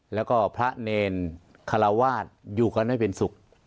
แล้วก็พระเนรคาราวาสอยู่กันให้เป็นสุข